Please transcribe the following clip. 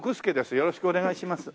よろしくお願いします。